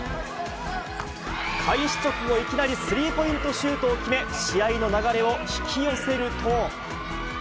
開始直後、いきなりスリーポイントシュートを決め、試合の流れを引き寄せると。